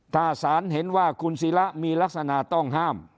ถ้าศาลเห็นว่าคุณศิระมีลักษณะต้องห้าม